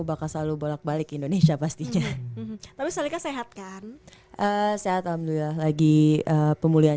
bakal selalu bolak balik indonesia pastinya tapi saling sehat kan sehat alhamdulillah lagi pemulihan